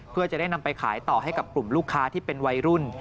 เพื่อจะได้นำไปขายต่อให้กับกลุ่มลูกค้าที่เป็นวัยรุ่น